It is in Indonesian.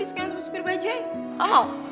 di sekitar sepir bajaj kamu mau